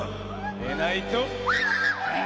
でないと！